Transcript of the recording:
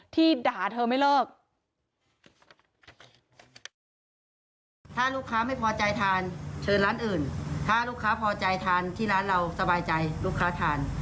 ถ้าลูกค้าพอใจทานที่ร้านเราสบายใจลูกค้าทาน